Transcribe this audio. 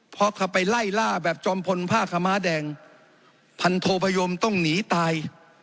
พอเขาไปไล่ล่าแบบจอมพลผ้าขม้าแดงพันโทพยมต้องหนีตาย